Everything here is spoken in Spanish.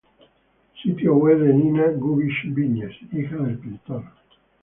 Sitio web de Nina Gubisch-Viñes, hija del pintor.